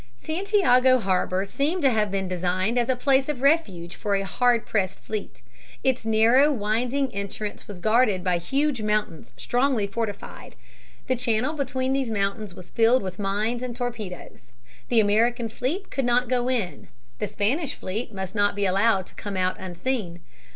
Santiago harbor seemed to have been designed as a place of refuge for a hard pressed fleet. Its narrow winding entrance was guarded by huge mountains strongly fortified. The channel between these mountains was filled with mines and torpedoes. The American fleet could not go in. The Spanish fleet must not be allowed to come out unseen.